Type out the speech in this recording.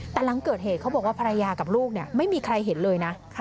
แต่หลังเกิดเหตุเขาบอกว่าภรรยากับลูกไม่มีใครเห็นเลยนะ